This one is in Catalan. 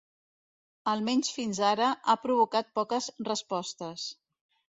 Almenys fins ara ha provocat poques respostes.